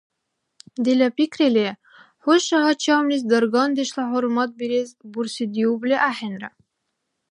Дила пикрили, нуша гьачамлис даргандешла хӀурматбирес бурсидиубли ахӀенра.